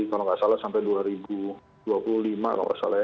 kalau nggak salah sampai dua ribu dua puluh lima kalau nggak salah ya